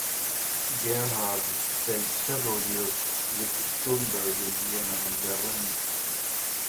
Gerhard spent several years with Schoenberg in Vienna and Berlin.